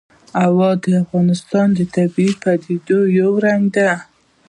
هوا د افغانستان د طبیعي پدیدو یو رنګ دی.